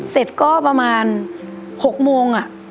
เสร็จก็ประมาณ๖โมง